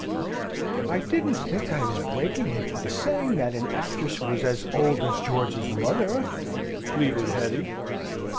"I didn't think I was breaking it by saying that an actress was as old as George's mother," pleaded Hetty.